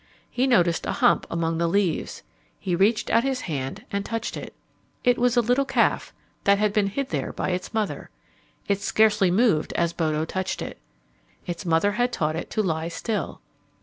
He noticed a hump among the leaves. He reached out his hand and touched it. It was a little calf that had been hid there by its mother. It scarcely moved as Bodo touched it. Its mother had taught it to lie still.